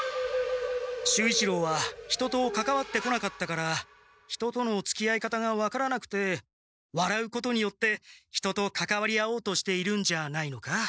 守一郎は人とかかわってこなかったから人とのつきあい方が分からなくてわらうことによって人とかかわり合おうとしているんじゃないのか？